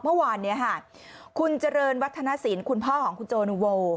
เมื่อวันคุณเจริญวัฒนสินคุณพ่อของโจโนโว